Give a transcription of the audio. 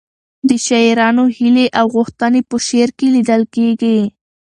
د شاعرانو هیلې او غوښتنې په شعر کې لیدل کېږي.